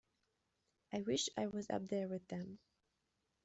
I wish I was up there with them.